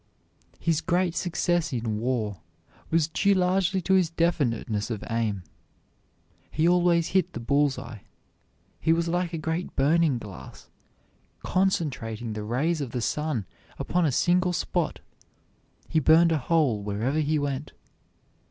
His great success in war was due largely to his definiteness of aim. He always hit the bull's eye. He was like a great burning glass, concentrating the rays of the sun upon a single spot; he burned a hole wherever he went.